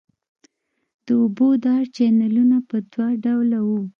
د اوبو دا چینلونه په دوه ډوله وو.